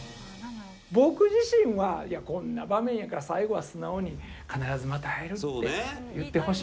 僕自身はいやこんな場面やから最後は素直に「必ずまた会える」って言ってほしいじゃないですか。